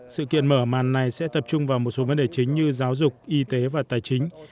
sự kiện mở màn này sẽ tập trung vào một số vấn đề chính như giáo dục y tế và tài chính